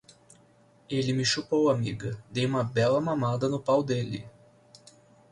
Ele me chupou, amiga. Dei uma bela mamada no pau dele